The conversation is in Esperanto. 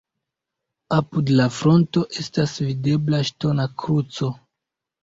Apud la fronto estas videbla ŝtona kruco.